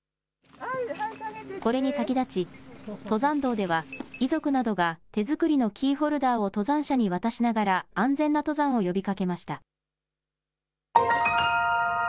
これに先立ち、登山道では、遺族などが手作りのキーホルダーを登山者に渡しながら、安全な登山を呼びかけました。